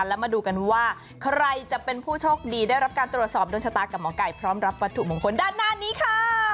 แล้วมาดูกันว่าใครจะเป็นผู้โชคดีได้รับการตรวจสอบโดนชะตากับหมอไก่พร้อมรับวัตถุมงคลด้านหน้านี้ค่ะ